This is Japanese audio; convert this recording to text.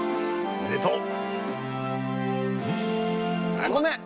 あっごめん！